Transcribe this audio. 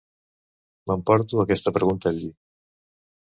M'emporto aquesta pregunta al llit.